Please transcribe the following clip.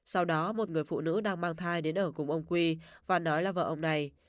sau đó một người phụ nữ đang mang thai đến ở cùng ông quy và nói là vợ ông này